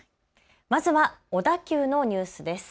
まずは小田急のニュースです。